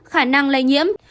khả năng lây nhiễm